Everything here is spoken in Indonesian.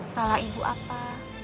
salah ibu apa